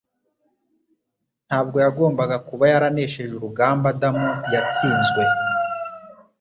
Ntabwo yagombaga kuba yaranesheje urugamba Adamu yatsinzwe